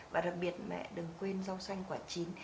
và đặc biệt mẹ đừng quên rau xanh quả chín